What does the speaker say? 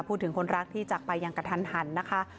พูดถึงคนรักที่จากไปอย่างกระทันหันนะคะ